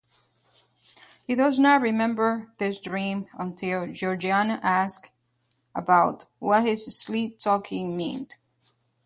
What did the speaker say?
He does not remember this dream until Georgiana asks about what his sleep-talking meant.